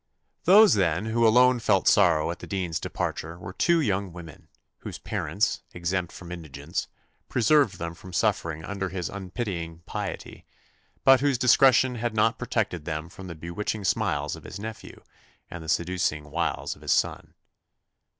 Those, then, who alone felt sorrow at the dean's departure were two young women, whose parents, exempt from indigence, preserved them from suffering under his unpitying piety, but whose discretion had not protected them from the bewitching smiles of his nephew, and the seducing wiles of his son.